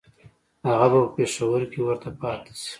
هغه به په پېښور کې ورته پاته شي.